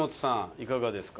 いかがですか？